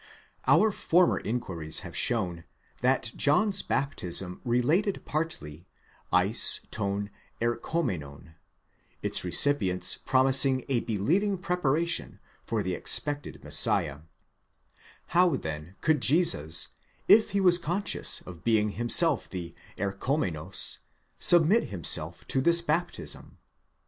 Our former inquiries have shown that John's baptism related partly eis τὸν ἐρχόμενον, its recipients promising a believing preparation for the expected Messiah ; how then could Jesus, if he was conscious of being himself the ἐρχόμενος, submit himself to this baptism?